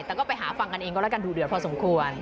แต่ก็ไปหาฟังกันเองก็แล้วกันดูเดือดพอสมควร